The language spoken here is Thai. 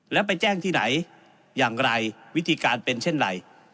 แล้วไปแจ้งที่ไหนอย่างไรวิธีการเป็นเช่นไร